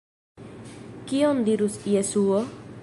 Kion dirus Jesuo?